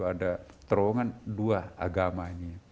ada terowongan dua agama ini